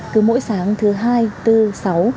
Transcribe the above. cứ mỗi sáng thứ hai bốn sáu